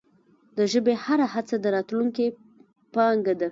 د ژبي هره هڅه د راتلونکې پانګه ده.